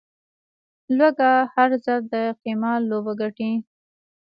لوږه، هر ځل د قمار لوبه ګټي